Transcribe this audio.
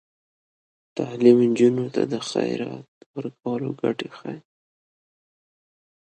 تعلیم نجونو ته د خیرات ورکولو ګټې ښيي.